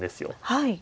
はい。